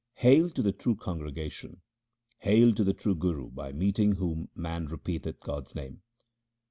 Hail to the true congregation ! hail to the true Guru by meeting whom man repeateth God's name